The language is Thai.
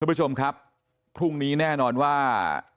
คุณผู้ชมครับพรุ่งนี้แน่นอนว่า